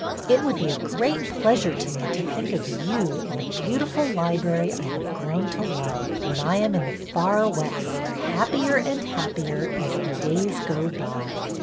It would be a great pleasure to me to think of you in the beautiful library I have grown to love, when I am in the far West, happier and happier as the days go by.